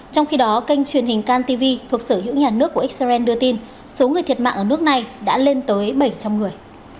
trong khi đó kênh truyền hình cantv thuộc sở hữu nhà nước của israel đưa tin số người thiệt mạng ở nước này đã lên tới bảy trăm linh người